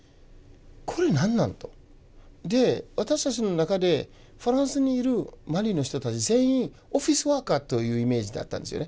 これ何なの？と。で私たちの中でフランスにいるマリの人たち全員オフィスワーカーというイメージだったんですよね。